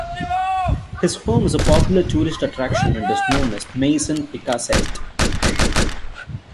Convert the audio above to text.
His home is a popular tourist attraction and is known as "Maison Picassiette".